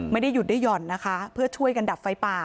ไม่ได้หยุดได้หย่อนนะคะเพื่อช่วยกันดับไฟป่า